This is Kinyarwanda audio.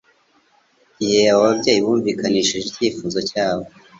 Igihe abo babyeyi bumvikanishije icyifuzo cyabo,